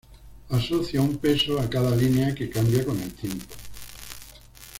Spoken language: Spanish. Asocia un peso a cada línea que cambia con el tiempo.